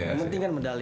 yang penting kan medali